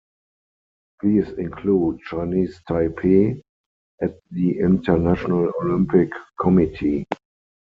These include "Chinese Taipei" at the International Olympic Committee.